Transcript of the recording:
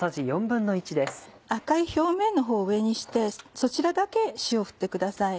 赤い表面の方を上にしてそちらだけ塩振ってください。